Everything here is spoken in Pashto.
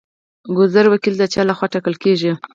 ګذر وکیل د چا لخوا ټاکل کیږي؟